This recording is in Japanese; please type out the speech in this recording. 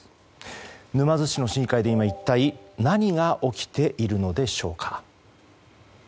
沼津市の市議会で、一体何が起きているのでしょうか。